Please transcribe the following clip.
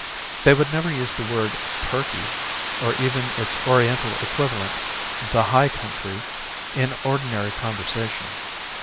They would never use the word 'Turkey' or even its oriental equivalent, 'The High Country' in ordinary conversation.